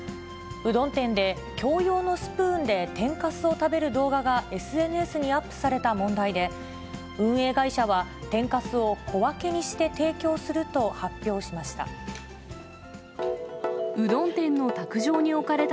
うどん店で、共用のスプーンで天かすを食べる動画がＳＮＳにアップされた問題で、運営会社は、天かすを小分けにして提供すると発表しました。